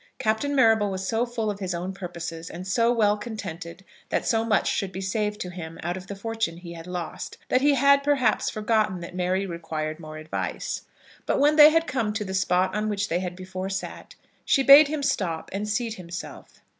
Captain Marrable was so full of his own purposes, and so well contented that so much should be saved to him out of the fortune he had lost, that he had, perhaps, forgotten that Mary required more advice. But when they had come to the spot on which they had before sat, she bade him stop and seat himself.